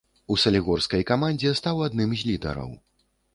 У салігорскай камандзе стаў адным з лідараў.